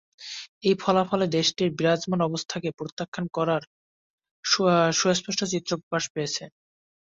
এই ফলাফলে দেশটির বিরাজমান অবস্থাকে প্রত্যাখ্যান করার সুস্পষ্ট চিত্র প্রকাশ পেয়েছ।